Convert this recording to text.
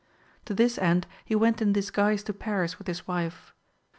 L. To this end he went in disguise to Paris with his wife.